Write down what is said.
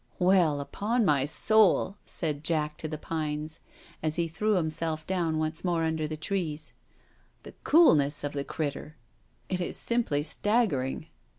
" Well^ upon my soull " said Jack to the pines^ as he threw himself down once more under the trees. " The coolness of the critturl It is simply staggering."